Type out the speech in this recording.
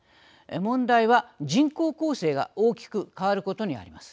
問題は人口構成が大きく変わることにあります。